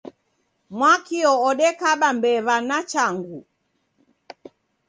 Mwakio odekaba mbewa na changu.